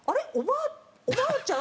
おばあちゃん？